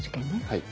はい。